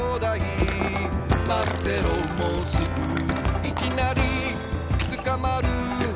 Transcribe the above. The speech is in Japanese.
「まってろもうすぐ」「いきなりつかまる」